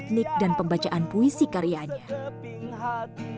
tidak ada yang akan melukis pengamatan anda